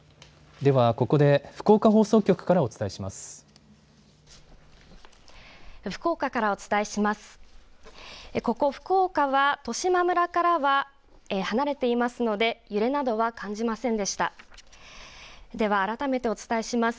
ではここで福岡放送局からお伝えします。